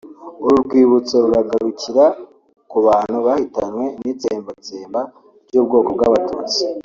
”uru rwibutso ruragarukira ku bantu bahitanywe n’itsembatsemba rw’ubwoko bw’abatutsi